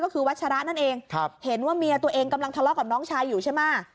ก็คือวัชระนั่นเองเห็นว่าเมียตัวเองกำลังทะเลาะกับน้องชายอยู่ใช่ไหม